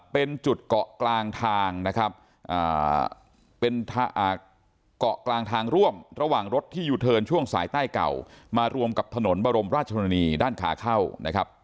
เป็นจุดเกาะกลางทางนะครับเป็นเกาะกลางทางร่วมระหว่างรถที่ยูเทิร์นช่วงสายใต้เก่ามารวมกับถนนบรมราชนีด้านขาเข้านะครับ